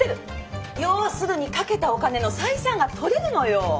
要するにかけたお金の採算が取れるのよ。